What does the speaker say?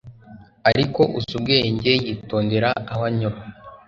ariko uzi ubwenge yitondera aho anyura